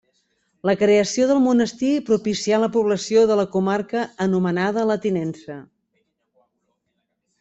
La creació del monestir propicià la població de la comarca anomenada la Tinença.